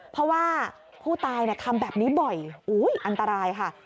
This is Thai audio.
เพราะว่าผู้ตายทำแบบนี้บ่อยอันตรายค่ะ